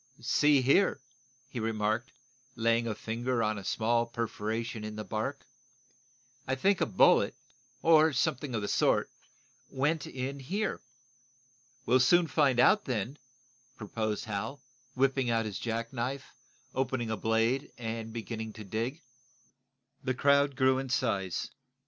"See here," he remarked, laying a finger on a small perforation in the bark, "I think a bullet, or something of the sort, went in here." "We'll soon find out then," proposed Hal, whipping out his jack knife, opening a blade and beginning to dig. The crowd grew in size.